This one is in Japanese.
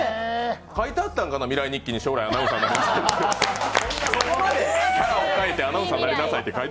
書いてあったんかな、未来日記に将来アナウンサーになるって。